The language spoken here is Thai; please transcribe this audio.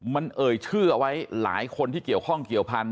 มันเอ่ยชื่อเอาไว้หลายคนที่เกี่ยวข้องเกี่ยวพันธ